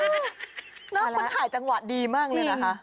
น้องคุณถ่ายจังหวะดีมากเลยนะคะ